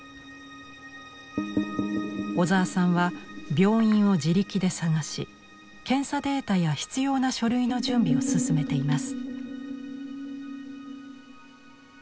小沢さんは病院を自力で探し検査データや必要な書類の準備を進めています。